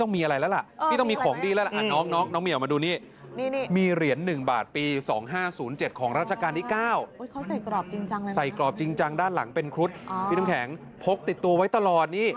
สุขหลวงปูสดและหลวงปูชืด